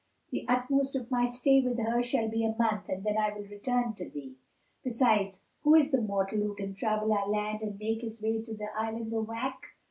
The utmost of my stay with her shall be a month and then I will return to thee. Besides, who is the mortal who can travel our land and make his way to the Islands of Wak?